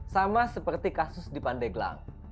sama seperti kasus di pandeglang